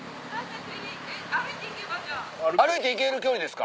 歩いて行ける距離ですか？